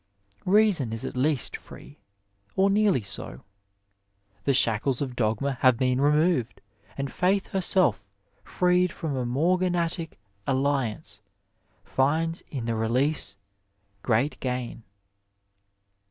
Reason is at least free, or nearly so ; the shackles of dogma have been removed, and faith herself, freed from a morganatic alliance, finds in the release great gain.